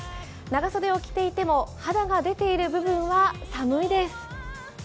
長袖を着ていても肌が出ている部分は寒いです。